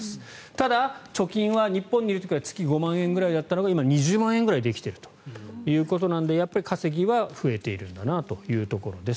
ただ、貯金は日本にいる時は月５万円ぐらいだったのが今、２０万円ぐらいできているということなのでやっぱり稼ぎは増えているんだなというところです。